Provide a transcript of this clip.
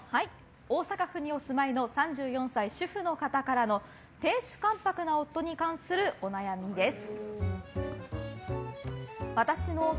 大阪府にお住まいの３４歳、主婦の方から亭主関白な夫に関するお悩みです。